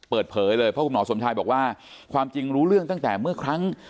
เปิดเผยเลยเพราะคุณหมอสมชายบอกว่าความจริงรู้เรื่องตั้งแต่เมื่อครั้ง